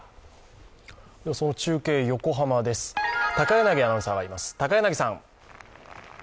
中継、横浜です、高柳アナウンサーがいます。